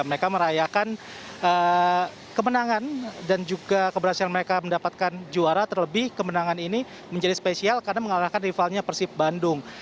mereka merayakan kemenangan dan juga keberhasilan mereka mendapatkan juara terlebih kemenangan ini menjadi spesial karena mengalahkan rivalnya persib bandung